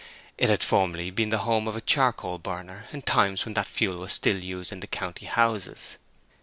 It had formerly been the home of a charcoal burner, in times when that fuel was still used in the county houses.